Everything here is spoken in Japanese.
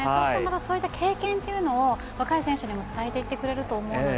そういった経験を若い選手にも伝えていってくれると思うので。